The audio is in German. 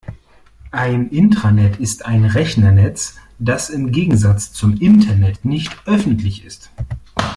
Ein Intranet ist ein Rechnernetz, das im Gegensatz zum Internet nicht öffentlich ist.